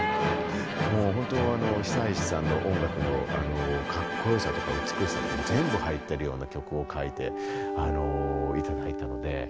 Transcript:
もう本当久石さんの音楽のかっこよさとか美しさとか全部入ってるような曲を書いて頂いたので。